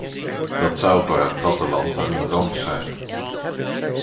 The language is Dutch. Dat zou voor het platteland een ramp zijn.